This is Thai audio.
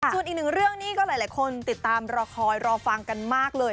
ส่วนอีกหนึ่งเรื่องนี้ก็หลายคนติดตามรอคอยรอฟังกันมากเลย